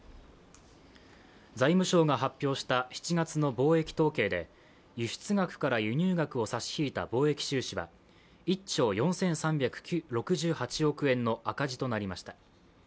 財務省が発表した７月の貿易統計で輸出額から輸入額を差し引いた貿易収支は１兆４３６８億円の赤字となりました。